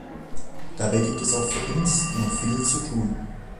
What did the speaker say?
Dabei gibt es auch für uns noch viel zu tun.